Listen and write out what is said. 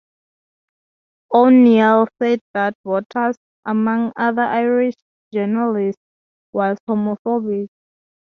O'Neill said that Waters, among other Irish journalists, was homophobic.